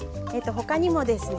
他にもですね